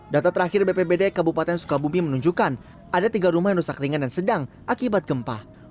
data terakhir bpbd kabupaten sukabumi menunjukkan ada tiga rumah yang rusak ringan dan sedang akibat gempa